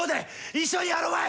一緒にやろまい！